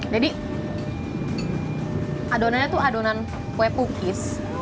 jadi adonannya tuh adonan kue pukis